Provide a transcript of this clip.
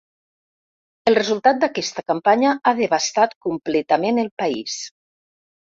El resultat d’aquesta campanya ha devastat completament el país.